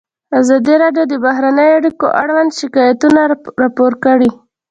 ازادي راډیو د بهرنۍ اړیکې اړوند شکایتونه راپور کړي.